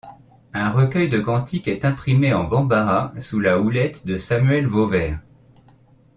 Un recueil de cantiques est imprimé en bambara sous la houlette de Samuel Vauvert.